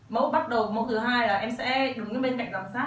mẫu bắt đầu mẫu thứ hai là em sẽ đứng lên bên cạnh giám sát